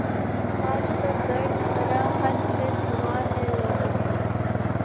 آج تو درد مرا حد سے سوا ہے لوگو